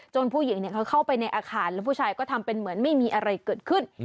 ผู้หญิงเขาเข้าไปในอาคารแล้วผู้ชายก็ทำเป็นเหมือนไม่มีอะไรเกิดขึ้น